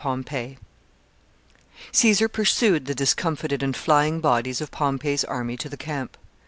] Caesar pursued the discomfited and flying bodies of Pompey's army to the camp.